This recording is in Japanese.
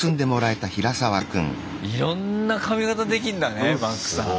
いろんな髪形できんだねマックさん。